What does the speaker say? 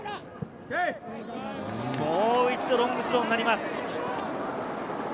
もう一度、ロングスローになります。